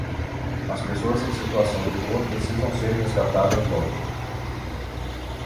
As pessoas em situação de rua precisam ser resgatadas logo